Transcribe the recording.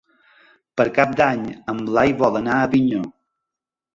Per Cap d'Any en Blai vol anar a Avinyó.